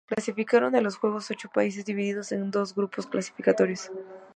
Clasificaron a los Juegos ocho países, divididos en dos grupos clasificatorios.